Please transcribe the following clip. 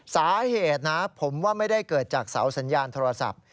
สาเหตุนะผมว่าไม่ได้เกิดจากเสาสัญญาณโทรศัพท์